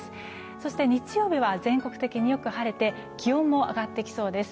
そして日曜日は全国的によく晴れて気温も上がってきそうです。